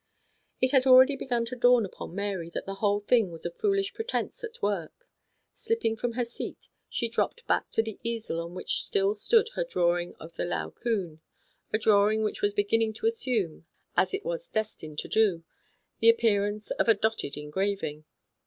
It had already begun to dawn upon Mary that the whole thing was a foolish pretence at work. Slipping from her seat, she dropped back to the easel on which stood her drawing 92 THE STORY OF A MODERN WOMAN. of the Laocoon, a drawing which was begin ning to assume, as it was destined to do, the appearance of a dotted engraving.